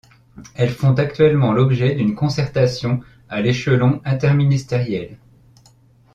Elles font actuellement l’objet d’une concertation à l’échelon interministériel.